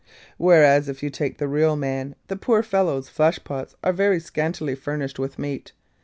Whereas, if you take the real man, the poor fellow's flesh pots are very scantily furnished with meat.